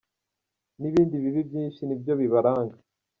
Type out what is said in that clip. n ibindi bibi byinshi nibyo bibaranga.